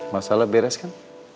masalah beres kan